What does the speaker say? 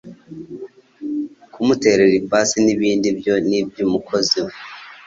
kumuterera ipasi n'ibindi ibyo nibyu umukozi we.